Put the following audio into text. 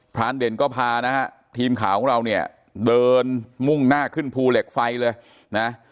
รานเด่นก็พานะฮะทีมข่าวของเราเนี่ยเดินมุ่งหน้าขึ้นภูเหล็กไฟเลยนะ